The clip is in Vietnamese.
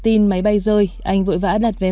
tin máy bay rơi anh vội vã đặt vé